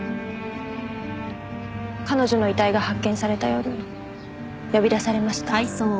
彼女の遺体が発見された夜呼び出されました。